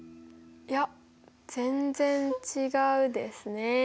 いや全然違うですね。